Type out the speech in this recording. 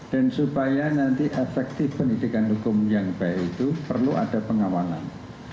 dan supaya nanti efektif pendidikan hukum yang baik itu perlu ada pengawanan